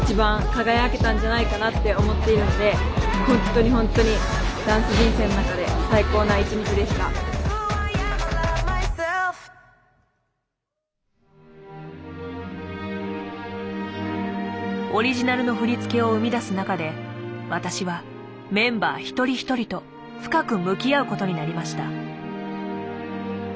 ほんとにほんとにほんとにオリジナルの振り付けを生み出す中で私はメンバー一人一人と深く向き合うことになりました。